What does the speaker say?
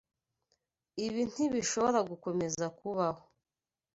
Ibi ntibishobora gukomeza kubaho.